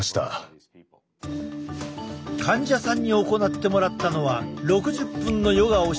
患者さんに行ってもらったのは６０分のヨガを週に２回。